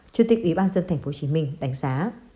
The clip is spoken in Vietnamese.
chủ tịch ủy ban dân tp hcm đánh giá